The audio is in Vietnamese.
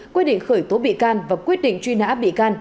quyết định khởi tố bị can và quyết định truy nã bị can